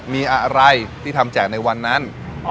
มีอะไรที่ทำแจกในวันนั้น